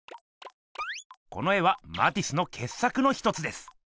この絵はマティスのけっさくの一つです！